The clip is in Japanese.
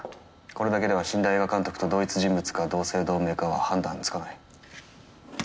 これだけでは死んだ映画監督と同一人物か同姓同名かは判断がつかない。